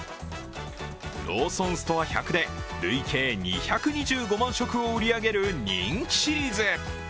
ローソンストア１００で累計２２５万食を売り上げる人気シリーズ。